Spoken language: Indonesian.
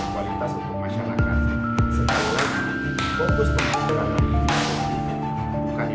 kualitas untuk masyarakat